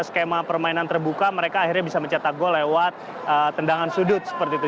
skema permainan terbuka mereka akhirnya bisa mencetak gol lewat tendangan sudut seperti itu